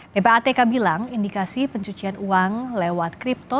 ppatk bilang indikasi pencucian uang lewat kripto